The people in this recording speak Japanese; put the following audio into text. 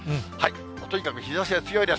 とにかく日ざしが強いです。